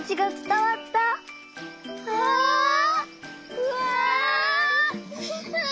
うわ！